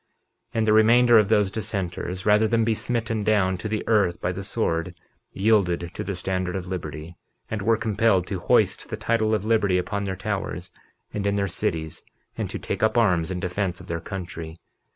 51:20 And the remainder of those dissenters, rather than be smitten down to the earth by the sword, yielded to the standard of liberty, and were compelled to hoist the title of liberty upon their towers, and in their cities, and to take up arms in defence of their country.